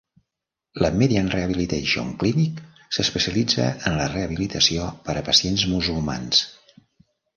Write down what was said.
La Median Rehabilitation Clinic s'especialitza en la rehabilitació per a pacients musulmans.